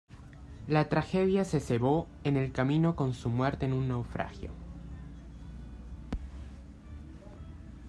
La tragedia se cebó en el camino con su muerte en un naufragio.